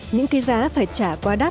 những cái giá phải trả quá đắt